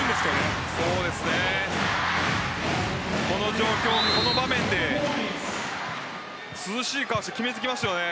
この状況、この場面で涼しい顔して決めてきますよね。